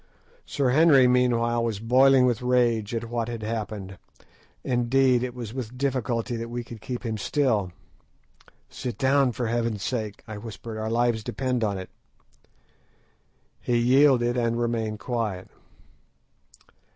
Sir Henry meanwhile was boiling with rage at what had happened; indeed, it was with difficulty that we could keep him still. "Sit down, for heaven's sake," I whispered; "our lives depend on it." He yielded and remained quiet.